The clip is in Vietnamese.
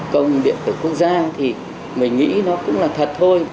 công điện tử quốc gia thì mình nghĩ nó cũng là thật thôi